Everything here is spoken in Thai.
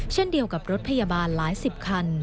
เช่นเดียวกับรถพยาบาลหลายสิบคัน